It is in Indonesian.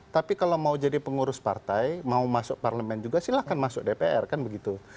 tapi kalau mau jadi pengurus partai mau masuk parlemen juga silahkan masuk dpr kan begitu